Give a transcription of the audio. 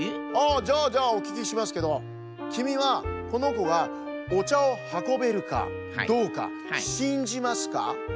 じゃあじゃあおききしますけどきみはこのこがおちゃをはこべるかどうかしんじますか？